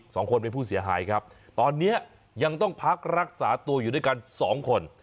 สองคนเป็นผู้เสียหายครับตอนเนี้ยยังต้องพักรักษาตัวอยู่ด้วยกันสองคน